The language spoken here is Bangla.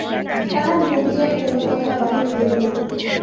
তাহার মুখ দিয়া কোনো কথা বাহির হইল না।